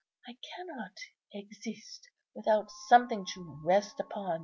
I cannot exist without something to rest upon.